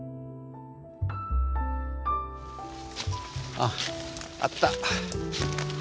あっあった。